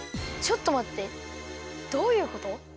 ちょっとまってどういうこと？